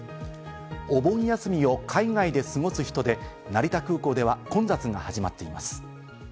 お盆休みを海外で過ごす人で、成田空港では混雑が始まっています。